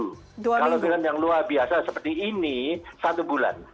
kalau film yang luar biasa seperti ini satu bulan